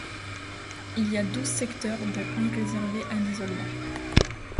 Il y a douze secteurs dont un réservé à l'isolement.